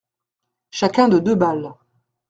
Chacun de deux balles.